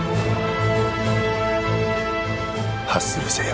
「ハッスルせよ」。